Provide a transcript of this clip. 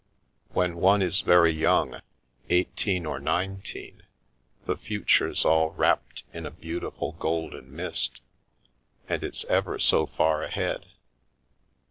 When one is very young — eighteen or nineteen, the fu ture's all wrapt in a beautiful golden mist, and it's ever so far ahead.